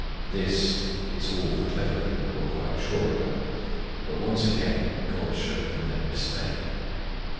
This all the clever people were quite sure about, but once again God showed them their mistake.